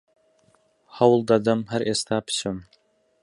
هەوڵ دەدەم هەر ئێستا بچم